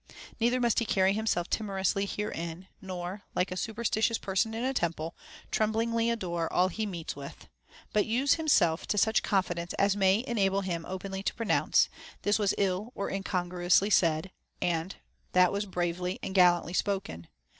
Neither must he carry himself timorously herein, nor, like a super stitious person in a temple, tremblingly adore all he meets with ; but use himself to such confidence as may enable him openly to pronounce, This was ill or, incongruously said, and, That was bravely and gallantly spoken.